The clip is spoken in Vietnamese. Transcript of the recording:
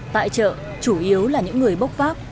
tại chợ chủ yếu là những người bốc vác